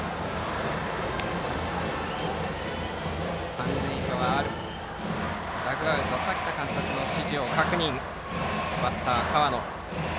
三塁側ダグアウト崎田監督の指示を確認したバッターの河野。